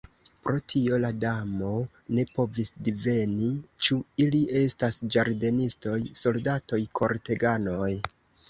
Pro tio la Damo ne povis diveni ĉu ili estas ĝardenistoj, soldatoj, korteganoj.